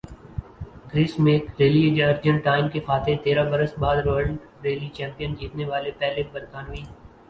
کرس Meeke rally Argentine کے فاتح تیرہ برس بعد ورلڈ ریلی چیمپئن جیتنے والے پہلے برطانوی